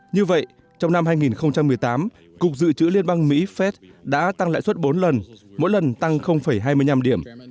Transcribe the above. như vậy trong năm hai nghìn một mươi tám cục dự trữ liên bang mỹ phép đã tăng lãi suất bốn lần mỗi lần tăng hai mươi năm điểm